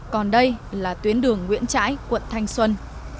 còn đây là tuyến đường nguyễn trãi quận thanh xuân